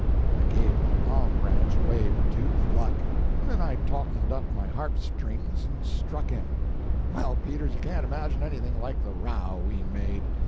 I gave my palm branch a wave or two, for luck, and then I tautened up my harp strings and struck in. Well, Peters, you can't imagine anything like the row we made.